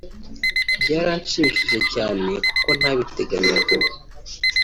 “Byaranshimishije cyane kuko ntabiteganyaga